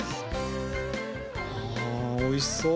あおいしそう。